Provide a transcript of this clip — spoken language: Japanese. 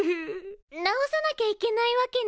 治さなきゃいけないわけね。